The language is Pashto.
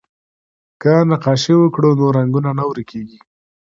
که نقاشي وکړو نو رنګونه نه ورکيږي.